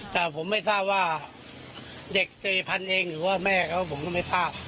แต่ผมไม่ทราบว่าเด็กเจริพันธ์เองหรือว่าแม่เขาผมก็ไม่ทราบ